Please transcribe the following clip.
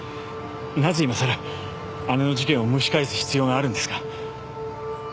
なぜいまさら姉の事件を蒸し返す必要があるんですか？